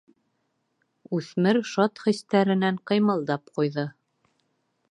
— Үҫмер шат хистәренән ҡыймылдап ҡуйҙы.